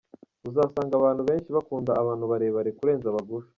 Uzasanga abantu benshi bakunda abantu barebare kurenza abagufi.